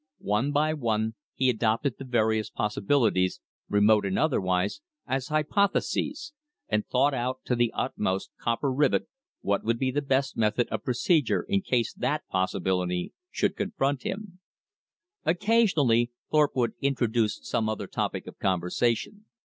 One by one he adopted the various possibilities, remote and otherwise, as hypotheses, and thought out to the uttermost copper rivet what would be the best method of procedure in case that possibility should confront him. Occasionally Thorpe would introduce some other topic of conversation.